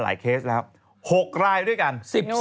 ๑๔รายแม่ชี๑คน๑๓